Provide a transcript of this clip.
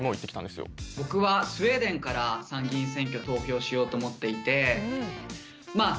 僕はスウェーデンから参議院選挙投票しようと思っていてまあ